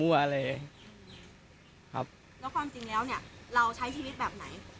แล้วความจริงแล้วเนี่ยเราใช้ชีวิตแบบไหน